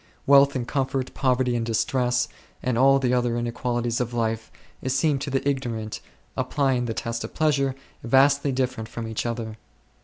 Wealth and comfort, poverty and distress, and all the other inequalities of life, seem to the ignorant, applying the test of pleasure, vastly different from each other.